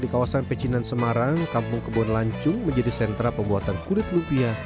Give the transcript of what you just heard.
di kawasan pecinan semarang kampung kebon lancung menjadi sentra pembuatan kulit lumpia